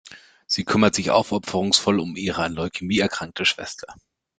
Sie kümmert sich aufopferungsvoll um ihre an Leukämie erkrankte Schwester.